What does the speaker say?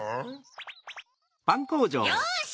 ・よし！